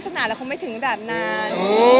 วัสดาเราคงไม่ได้ถึงระดับนาน